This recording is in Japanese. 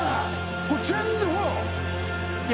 これ全然ほらいや